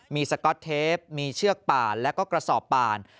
มีสก๊อตเทปมีเชือกป่านแล้วก็กระสอบป่าน